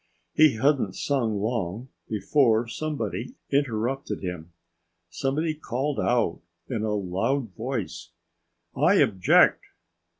He hadn't sung long before somebody interrupted him. Somebody called in a loud voice, "I object!"